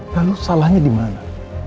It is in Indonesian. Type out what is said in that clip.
lalu salahnya di mana